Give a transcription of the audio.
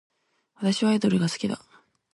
私はアイドルが好きだ